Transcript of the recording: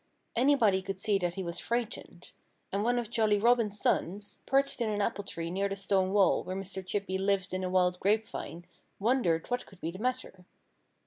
Anybody could see that he was frightened. And one of Jolly Robin's sons, perched in an apple tree near the stone wall where Mr. Chippy lived in a wild grapevine, wondered what could be the matter.